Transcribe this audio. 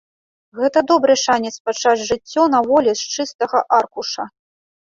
Гэта добры шанец пачаць жыццё на волі з чыстага аркуша.